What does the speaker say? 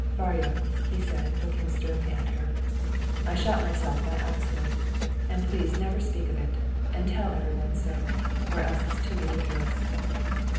"Varya," he said, looking sternly at her, "I shot myself by accident. And please never speak of it, and tell everyone so. Or else it's too ridiculous."